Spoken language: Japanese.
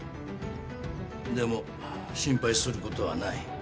でも心配することはない。